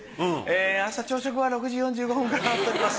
明日朝食は６時４５分からとなっております。